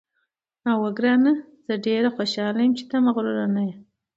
اوه ګرانه، زه ډېره خوشاله یم چې ته مغرور نه یې.